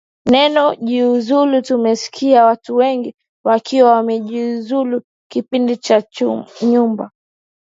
neno kujiuzulu tumesikia watu wengi wakiwa wamejiuzulu kipindi cha nyuma